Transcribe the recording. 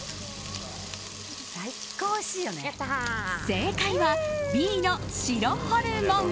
正解はＢの白ホルモン。